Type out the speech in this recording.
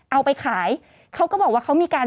เอาไปขายเขาก็บอกว่าเขามีการ